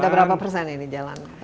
sudah berapa persen ini jalan